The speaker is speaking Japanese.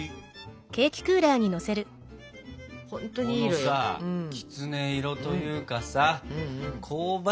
このさきつね色というかさ香ばしく